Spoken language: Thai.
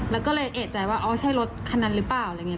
แล้วก็เลยเอกใจว่าอ๋อใช่รถคันนั้นหรือเปล่าอะไรอย่างนี้